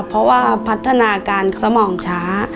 เพราะว่าพัฒนาการสมองช้า